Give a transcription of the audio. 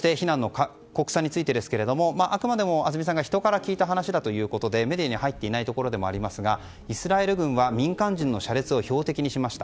そして、あくまでもアズミさんが人から聞いた話だということでメディアに入っていないところでもありますがイスラエル軍は民間人の車列を標的にしました。